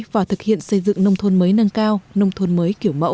và thực hiện xây dựng nông thôn mới nâng cao nông thôn mới kiểu mẫu